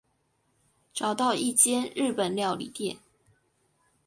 找到一间日本料理店